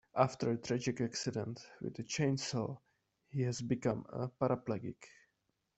After a tragic accident with a chainsaw he has become a paraplegic.